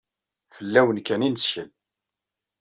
Fell-awen kan i nettkel